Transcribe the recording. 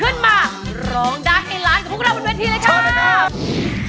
ขึ้นมารองดันหลานกับพวกเรากันบนเวลาทีเลยครับ